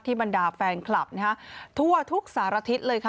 ที่บรรดาแฟนคลับทั่วทุกสาระทิศเลย